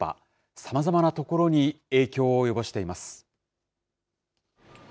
さまざまなところに影響を及ぼしています。